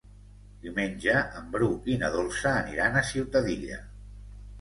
Diumenge en Bru i na Dolça aniran a Ciutadilla.